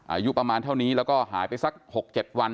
อายุประมาณเท่านี้แล้วก็หายไปสัก๖๗วัน